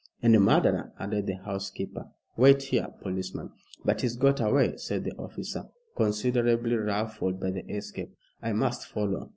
"And a murderer," added the housekeeper. "Wait here, policeman." "But he's got away," said the officer, considerably ruffled by the escape. "I must follow."